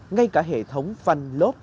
ngay cả hệ thống phanh lốt